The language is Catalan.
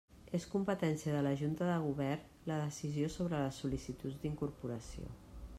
És competència de la Junta de Govern la decisió sobre les sol·licituds d'incorporació.